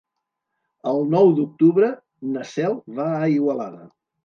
El nou d'octubre na Cel va a Igualada.